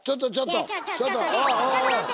ちょっと待って。